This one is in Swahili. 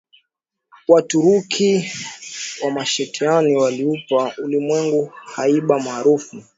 Waturuki wa Meskhetian waliupa ulimwengu haiba maarufu